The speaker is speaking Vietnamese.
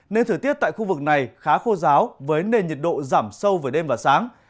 nên thời tiết tại khu vực này khá khô giáo với nền nhiệt độ giảm sâu về đêm và sáng